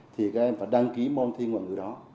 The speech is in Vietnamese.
thì các em phải đăng ký môn thi ngoài ngữ đó